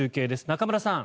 中村さん。